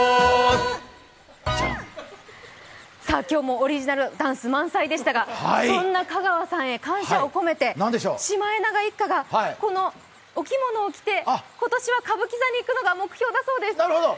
今日もオリジナルダンス満載でしたがそんな香川さんへ感謝を込めてシマエナガ一家がこのお着物を着て、今年は歌舞伎座にいくのが目標だそうです。